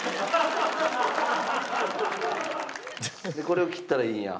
これを切ったらいいんや。